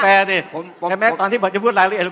อ่าเดี๋ยวก่อนเขาใช้สิทธิง